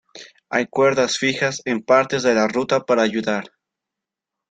Hay cuerdas fijas en partes de la ruta para ayudar.